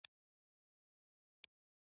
شاعر و خو شعر یې اعلی پای نه و.